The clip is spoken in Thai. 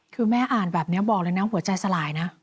คือแม่อ่านแบบนี้บอกเลยนะหัวใจสลายนะ